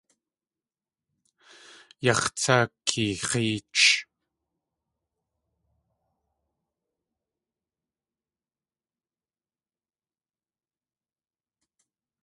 Yax̲ tsá keex̲éech!